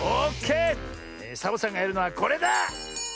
サボさんがやるのはこれだ！